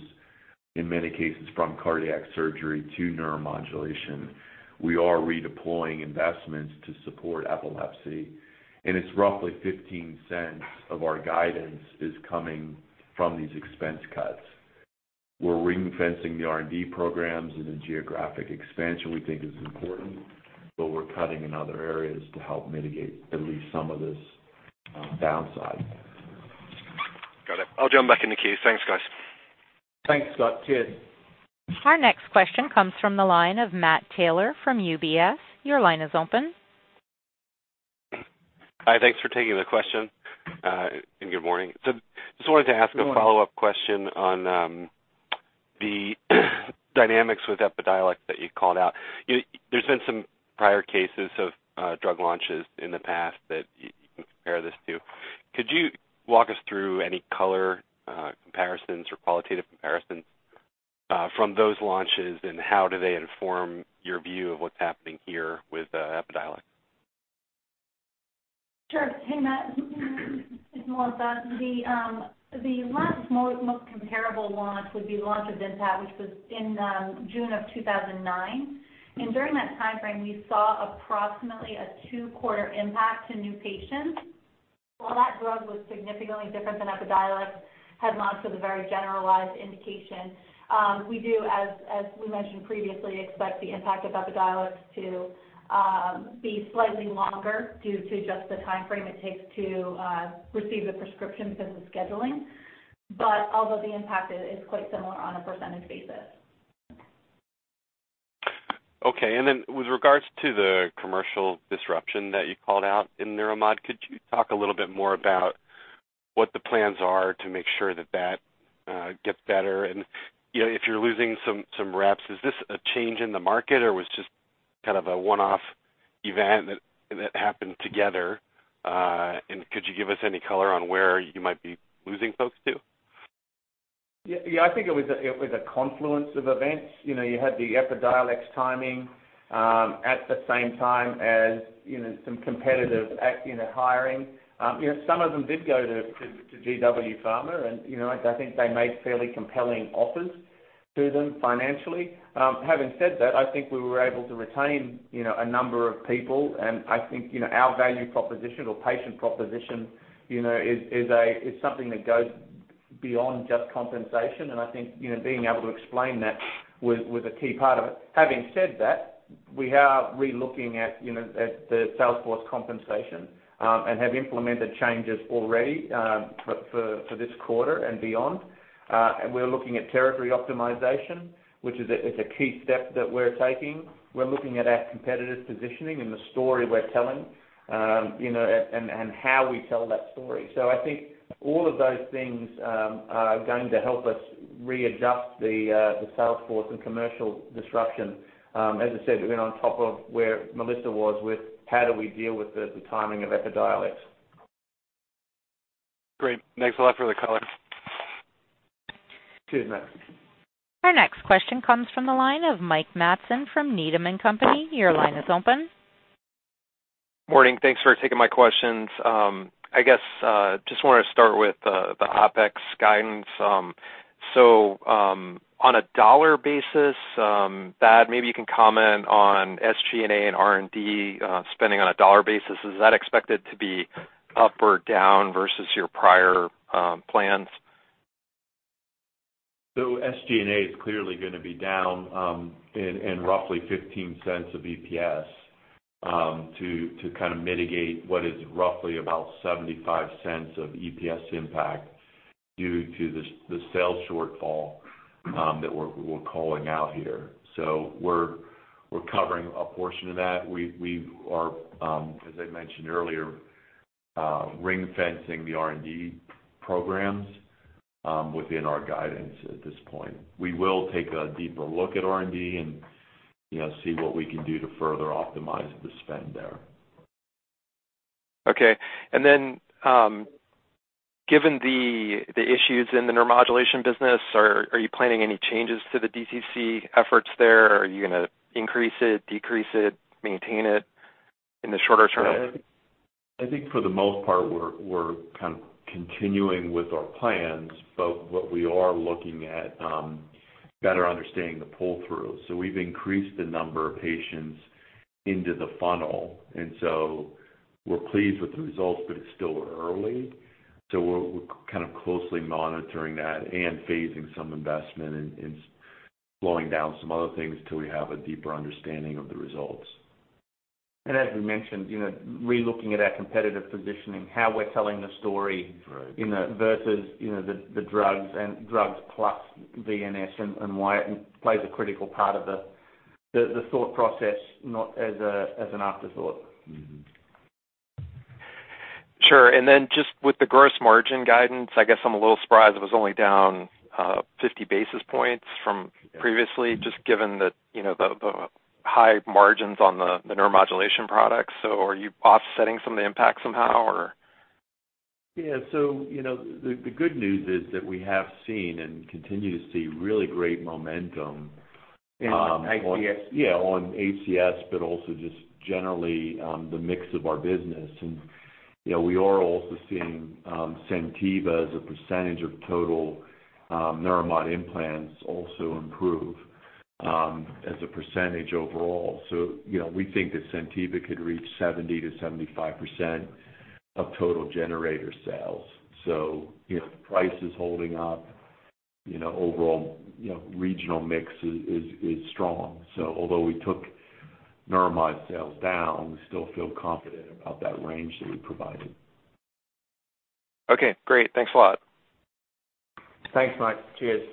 in many cases, from cardiac surgery to neuromodulation. We are redeploying investments to support epilepsy, and it's roughly $0.15 of our guidance is coming from these expense cuts. We're ring-fencing the R&D programs in a geographic expansion we think is important, we're cutting in other areas to help mitigate at least some of this downside. Got it. I'll jump back in the queue. Thanks, guys. Thanks, Scott. Cheers. Our next question comes from the line of Matthew Taylor from UBS. Your line is open. Hi. Thanks for taking the question. Good morning. Good morning. A follow-up question on the dynamics with EPIDIOLEX that you called out. There's been some prior cases of drug launches in the past that you can compare this to. Could you walk us through any color comparisons or qualitative comparisons from those launches, and how do they inform your view of what's happening here with EPIDIOLEX? Sure. Hey, Matt, it's Melissa. The last most comparable launch would be launch of Vimpat, which was in June of 2009. During that timeframe, we saw approximately a two-quarter impact to new patients. While that drug was significantly different than EPIDIOLEX, has lots of very generalized indication. We do, as we mentioned previously, expect the impact of EPIDIOLEX to be slightly longer due to just the timeframe it takes to receive the prescriptions and the scheduling. Although the impact is quite similar on a percentage basis. Okay. Then with regards to the commercial disruption that you called out in Neuromod, could you talk a little bit more about what the plans are to make sure that that gets better? If you're losing some reps, is this a change in the market, or was just a one-off event that happened together? Could you give us any color on where you might be losing folks to? Yeah. I think it was a confluence of events. You had the EPIDIOLEX timing at the same time as some competitors acting and hiring. Some of them did go to GW Pharmaceuticals, and I think they made fairly compelling offers to them financially. Having said that, I think we were able to retain a number of people, and I think our value proposition or patient proposition is something that goes beyond just compensation. I think being able to explain that was a key part of it. Having said that, we are re-looking at the sales force compensation and have implemented changes already for this quarter and beyond. We're looking at territory optimization, which is a key step that we're taking. We're looking at our competitive positioning and the story we're telling, and how we tell that story. I think all of those things are going to help us readjust the sales force and commercial disruption. As I said, we've been on top of where Melissa was with how do we deal with the timing of EPIDIOLEX. Great. Thanks a lot for the color. Cheers, Matt. Our next question comes from the line of Mike Matson from Needham & Company. Your line is open. Morning. Thanks for taking my questions. I guess just want to start with the OpEx guidance. On a dollar basis, Thad, maybe you can comment on SG&A and R&D spending on a dollar basis. Is that expected to be up or down versus your prior plans? SG&A is clearly going to be down in roughly $0.15 of EPS to kind of mitigate what is roughly about $0.75 of EPS impact due to the sales shortfall that we're calling out here. We're covering a portion of that. We are, as I mentioned earlier, ring-fencing the R&D programs within our guidance at this point. We will take a deeper look at R&D and see what we can do to further optimize the spend there. Okay. Given the issues in the Neuromodulation business, are you planning any changes to the DTC efforts there? Are you going to increase it, decrease it, maintain it in the shorter term? I think for the most part, we're kind of continuing with our plans, but what we are looking at, better understanding the pull-through. We've increased the number of patients into the funnel, and so we're pleased with the results, but it's still early. We're kind of closely monitoring that and phasing some investment and slowing down some other things till we have a deeper understanding of the results. As we mentioned, re-looking at our competitive positioning, how we're telling the story. Right versus the drugs and drugs plus VNS and why it plays a critical part of the thought process, not as an afterthought. Sure. Just with the gross margin guidance, I guess I'm a little surprised it was only down 50 basis points from previously, just given the high margins on the Neuromodulation products. Are you offsetting some of the impact somehow, or? Yeah. The good news is that we have seen and continue to see really great momentum. In ACS. Yeah, on ACS, also just generally on the mix of our business. We are also seeing SenTiva as a percentage of total Neuromod implants also improve as a percentage overall. We think that SenTiva could reach 70%-75% of total generator sales. The price is holding up. Overall regional mix is strong. Although we took Neuromod sales down, we still feel confident about that range that we provided. Okay, great. Thanks a lot. Thanks, Mike. Cheers.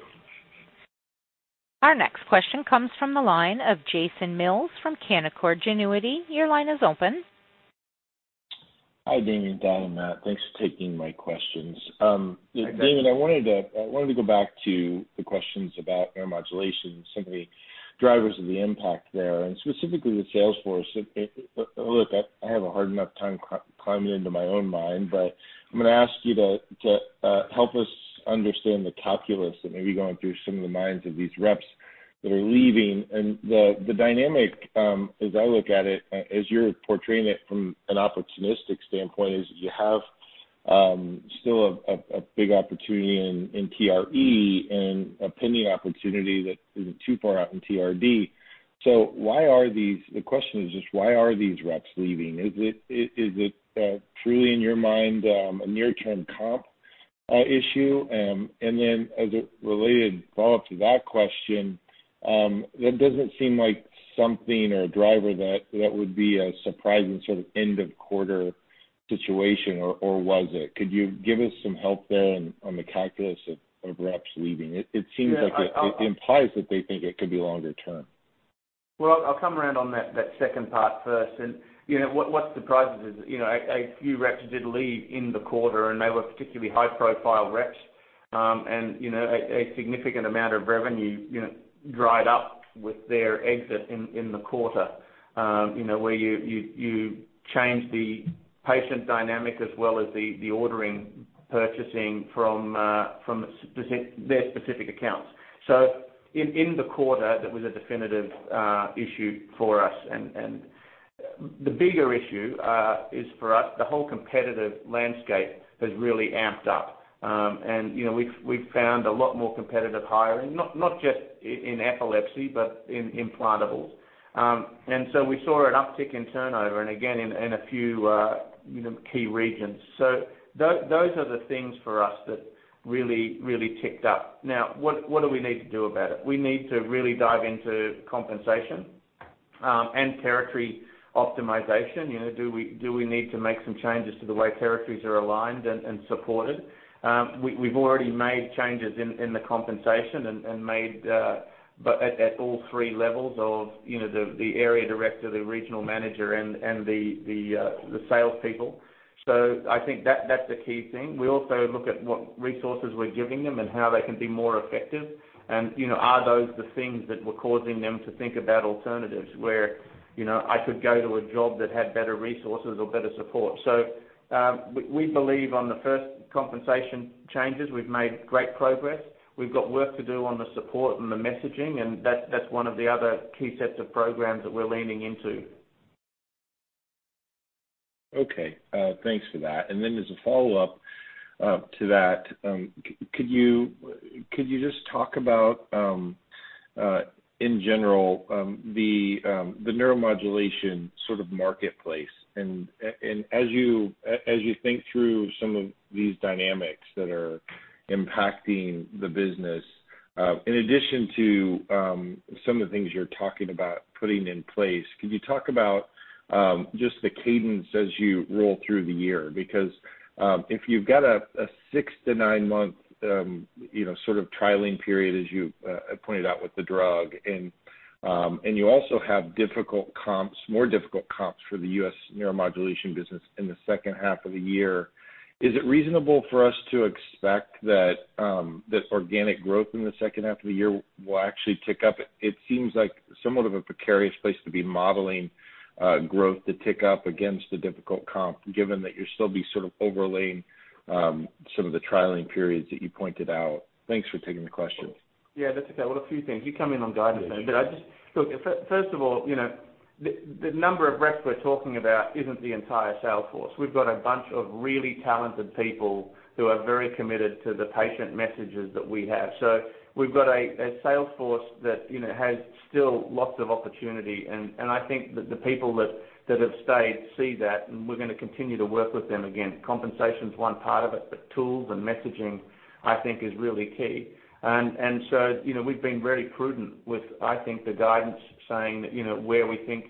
Our next question comes from the line of Jason Mills from Canaccord Genuity. Your line is open. Hi, Damien, Thad, and Matt. Thanks for taking my questions. Hi, Jason. Damien, I wanted to go back to the questions about neuromodulation and some of the drivers of the impact there, and specifically the sales force. Look, I have a hard enough time climbing into my own mind, but I'm going to ask you to help us understand the calculus that may be going through some of the minds of these reps that are leaving. The dynamic, as I look at it, as you're portraying it from an opportunistic standpoint, is that you have still a big opportunity in DRE and a pending opportunity that isn't too far out in TRD. The question is just why are these reps leaving? Is it truly, in your mind, a near-term comp issue? As a related follow-up to that question, that doesn't seem like something or a driver that would be a surprising sort of end of quarter situation, or was it? Could you give us some help there on the calculus of reps leaving? It seems like it implies that they think it could be longer term. Well, I'll come around on that second part first. What surprises is, a few reps did leave in the quarter, and they were particularly high-profile reps. A significant amount of revenue dried up with their exit in the quarter. Where you change the patient dynamic as well as the ordering, purchasing from their specific accounts. In the quarter, that was a definitive issue for us, and the bigger issue is for us, the whole competitive landscape has really amped up. We've found a lot more competitive hiring, not just in epilepsy, but in implantables. We saw an uptick in turnover, and again, in a few key regions. Those are the things for us that really ticked up. Now, what do we need to do about it? We need to really dive into compensation and territory optimization. Do we need to make some changes to the way territories are aligned and supported? We've already made changes in the compensation at all three levels of the area director, the regional manager, and the salespeople. I think that's the key thing. We also look at what resources we're giving them and how they can be more effective. Are those the things that were causing them to think about alternatives where I could go to a job that had better resources or better support. We believe on the first compensation changes, we've made great progress. We've got work to do on the support and the messaging, and that's one of the other key sets of programs that we're leaning into. Okay, thanks for that. As a follow-up to that, could you just talk about in general, the neuromodulation sort of marketplace. As you think through some of these dynamics that are impacting the business, in addition to some of the things you're talking about putting in place, could you talk about just the cadence as you roll through the year? If you've got a 6 to 9-month trialing period, as you pointed out with the drug, and you also have more difficult comps for the U.S. Neuromodulation business in the second half of the year, is it reasonable for us to expect that organic growth in the second half of the year will actually tick up? It seems like somewhat of a precarious place to be modeling growth to tick up against a difficult comp, given that you'll still be sort of overlaying some of the trialing periods that you pointed out. Thanks for taking the question. Yeah, that's okay. Well, a few things. You come in on guidance day. Yeah. Look, first of all, the number of reps we're talking about isn't the entire sales force. We've got a bunch of really talented people who are very committed to the patient messages that we have. We've got a sales force that has still lots of opportunity, I think that the people that have stayed see that. We're going to continue to work with them again. Compensation's one part of it, but tools and messaging, I think, is really key. We've been very prudent with, I think, the guidance saying that where we think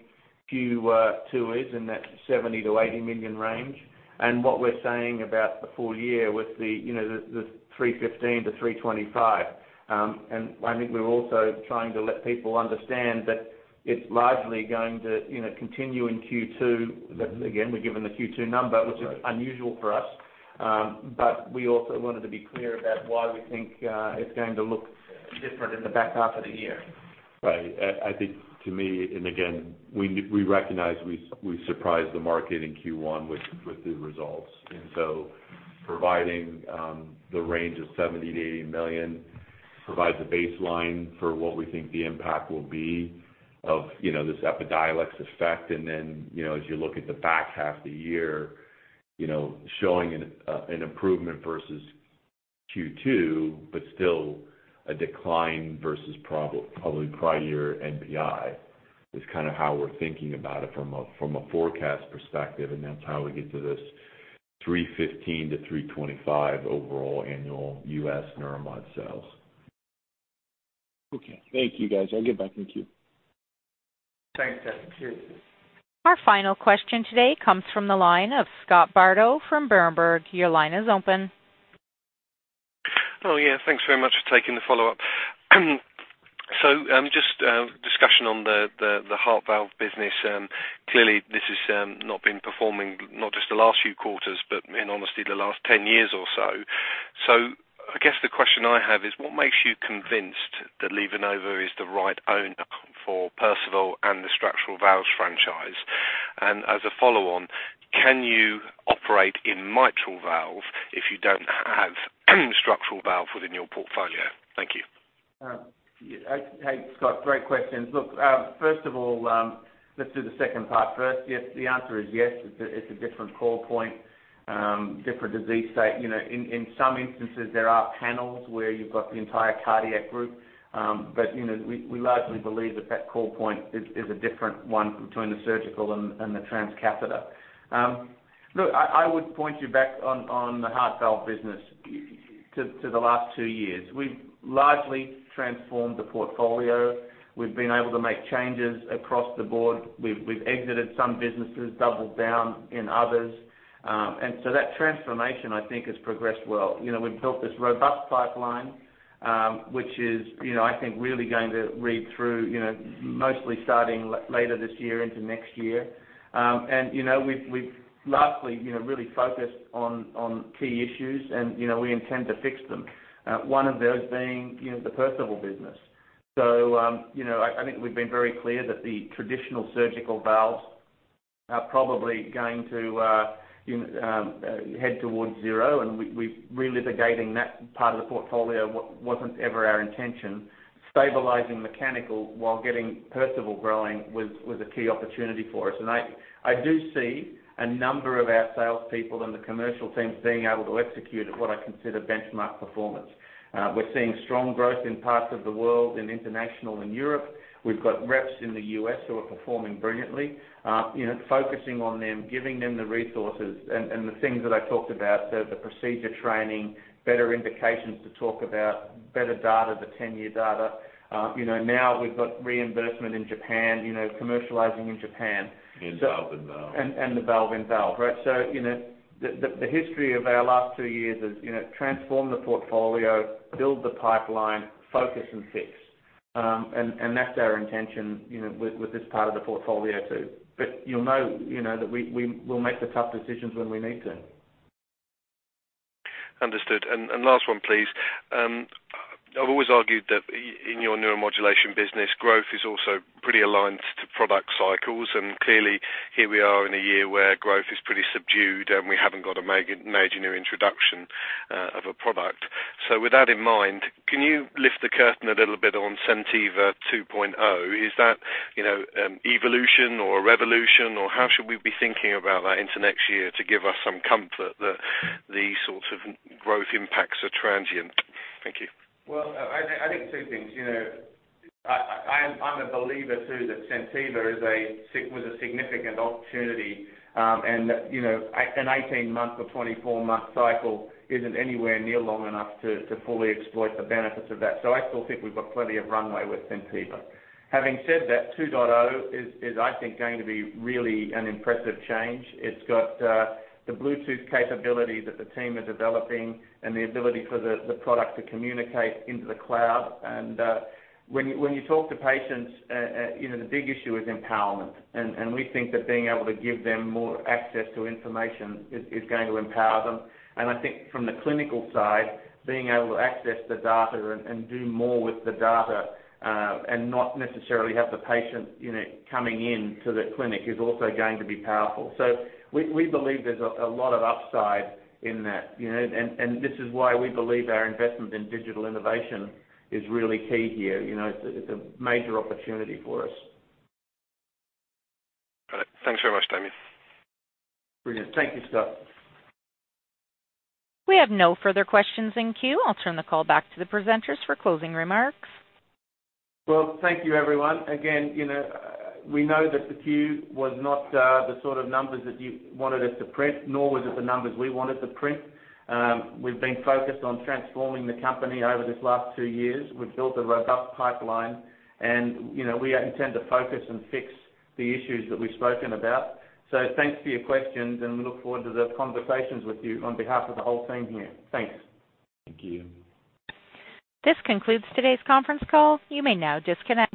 Q2 is in that $70 million-$80 million range, and what we're saying about the full year with the $315 million-$325 million. I think we're also trying to let people understand that it's largely going to continue in Q2. Again, we've given the Q2 number. Right This is unusual for us. We also wanted to be clear about why we think it's going to look different in the back half of the year. Right. I think to me, and again, we recognize we surprised the market in Q1 with the results. Providing the range of $70 million-$80 million provides a baseline for what we think the impact will be of this EPIDIOLEX effect. Then, as you look at the back half of the year, showing an improvement versus Q2, but still a decline versus probably prior NBI, is kind of how we're thinking about it from a forecast perspective, and that's how we get to this $315-$325 overall annual U.S. Neuromod sales. Okay. Thank you, guys. I'll get back in queue. Thanks, Jason. Appreciate it. Our final question today comes from the line of Scott Bardo from Berenberg. Your line is open. Yeah. Thanks very much for taking the follow-up. Just a discussion on the heart valve business. Clearly, this has not been performing, not just the last few quarters, but in honesty, the last 10 years or so. I guess the question I have is, what makes you convinced that LivaNova is the right owner for Perceval and the structural valves franchise? As a follow-on, can you operate in mitral valve if you don't have structural valve within your portfolio? Thank you. Hey, Scott, great questions. First of all, let's do the second part first. The answer is yes. It's a different call point, different disease state. In some instances, there are panels where you've got the entire cardiac group. We largely believe that that call point is a different one between the surgical and the transcatheter. I would point you back on the heart valve business to the last two years. We've largely transformed the portfolio. We've been able to make changes across the board. We've exited some businesses, doubled down in others. That transformation, I think, has progressed well. We've built this robust pipeline, which is, I think, really going to read through, mostly starting later this year into next year. We've largely really focused on key issues, and we intend to fix them. One of those being the Perceval business. I think we've been very clear that the traditional surgical valves are probably going to head towards zero, and relitigating that part of the portfolio wasn't ever our intention. Stabilizing mechanical while getting Perceval growing was a key opportunity for us. I do see a number of our salespeople on the commercial teams being able to execute at what I consider benchmark performance. We're seeing strong growth in parts of the world, in international and Europe. We've got reps in the U.S. who are performing brilliantly. Focusing on them, giving them the resources and the things that I talked about, the procedure training, better indications to talk about, better data, the 10-year data. Now we've got reinvestment in Japan, commercializing in Japan. Valve in valve. The valve in valve, right? The history of our last two years is transform the portfolio, build the pipeline, focus, and fix. That's our intention with this part of the portfolio, too. You'll know that we'll make the tough decisions when we need to. Understood. Last one, please. I've always argued that in your Neuromodulation business, growth is also pretty aligned to product cycles. Clearly here we are in a year where growth is pretty subdued, we haven't got a major new introduction of a product. With that in mind, can you lift the curtain a little bit on SenTiva 2.0? Is that evolution or a revolution, or how should we be thinking about that into next year to give us some comfort that the sort of growth impacts are transient? Thank you. I think two things. I'm a believer, too, that SenTiva was a significant opportunity. An 18-month or 24-month cycle isn't anywhere near long enough to fully exploit the benefits of that. I still think we've got plenty of runway with SenTiva. Having said that, 2.0 is, I think, going to be really an impressive change. It's got the Bluetooth capability that the team are developing and the ability for the product to communicate into the cloud. When you talk to patients, the big issue is empowerment. We think that being able to give them more access to information is going to empower them. I think from the clinical side, being able to access the data and do more with the data, and not necessarily have the patient coming into the clinic is also going to be powerful. We believe there's a lot of upside in that. This is why we believe our investment in digital innovation is really key here. It's a major opportunity for us. Got it. Thanks very much, Damien. Brilliant. Thank you, Scott. We have no further questions in queue. I'll turn the call back to the presenters for closing remarks. Well, thank you everyone. We know that the queue was not the sort of numbers that you wanted us to print, nor was it the numbers we wanted to print. We've been focused on transforming the company over this last two years. We've built a robust pipeline, and we intend to focus and fix the issues that we've spoken about. Thanks for your questions, and we look forward to the conversations with you on behalf of the whole team here. Thanks. Thank you. This concludes today's conference call. You may now disconnect.